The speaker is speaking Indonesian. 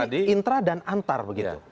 jadi intra dan antar begitu